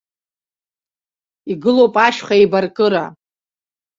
Игылоуп ашьха еибаркыра.